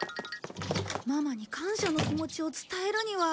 ママに感謝の気持ちを伝えるには。